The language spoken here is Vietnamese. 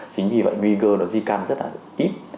chính vì vậy nguy cơ nó di căn rất là ít